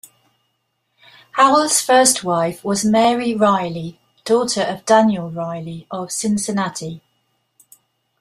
Hoel's first wife was Mary Riley, daughter of Daniel Riley, of Cincinnati.